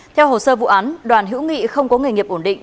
theo hồ sơ vụ án đoàn hữu nghị không có nghề nghiệp ổn định